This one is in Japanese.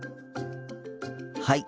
はい。